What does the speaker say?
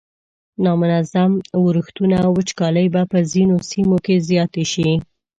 نامنظم ورښتونه او وچکالۍ به په ځینو سیمو کې زیاتې شي.